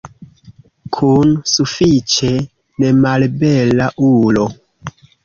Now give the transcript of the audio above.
Kun sufiĉe nemalbela ulo.